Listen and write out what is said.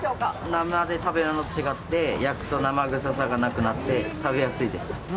生で食べるのと違って焼くと生臭さがなくなって食べやすいです。